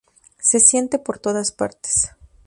Se siente por todas partes.